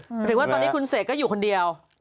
หรือว่าตอนนี้คุณเสกก็อยู่คนเดียว